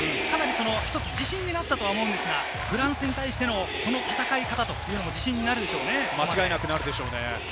一つ自信になったとは思うんですが、フランスに対してのこの戦い方、自信になるでしょうね。